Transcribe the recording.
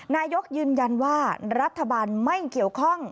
นายกยืนยันว่ารัฐบาลไม่เกี่ยวข้อง